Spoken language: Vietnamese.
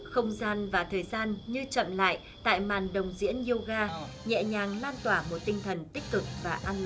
không gian và thời gian như chậm lại tại màn đồng diễn yoga nhẹ nhàng lan tỏa một tinh thần tích cực và ăn